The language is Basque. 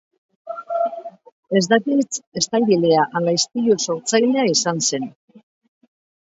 Ez dakit estalgilea ala istilu-sortzailea izan zen.